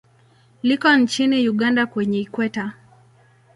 Liko nchini Uganda kwenye Ikweta.